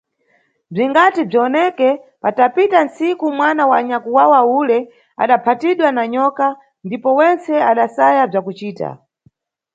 Bzingati bziwoneke, patapita ntsiku, mwana wa nyakwawa ule adaphatidwa na nyoka, ndipo wentse adasaya bzakucita.